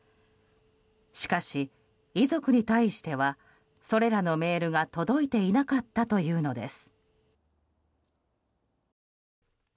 しかし遺族に対してはそれらのメールが届いていなかったというのです。